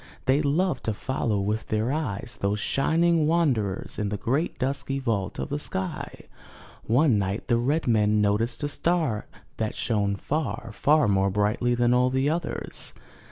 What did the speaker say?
They loved to follow with their eyes those shining wanderers in the great dusky vault of the sky. One night the red men noticed a star that shone far, far more brightly than all the others.